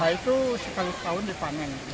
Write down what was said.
itu sekali setahun dipanen